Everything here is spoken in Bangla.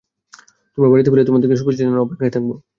তোমরা বাড়িতে ফিরলে তোমাদেরকে শুভেচ্ছা জানানোর অপেক্ষায় থাকবো।